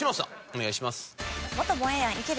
お願いします。